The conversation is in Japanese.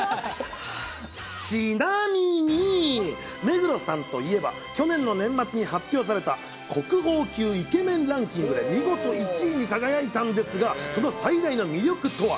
ちなみに、目黒さんといえば、去年の年末に発表された国宝級イケメンランキングで、見事１位に輝いたんですが、その最大の魅力とは。